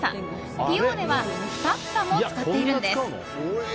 ピオーネは２房も使っているんです。